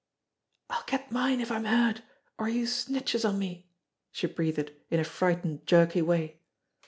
"I'll get mine if I'm heard, or youse snitches on me," she breathed in a frightened, jerky way.